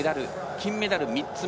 金メダル３つ目。